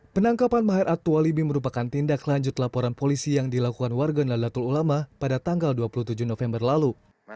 penangkapan maher atualibi merupakan tindak lanjut laporan polisi yang dilakukan warga nadatul ulama pada tanggal dua puluh tujuh november lalu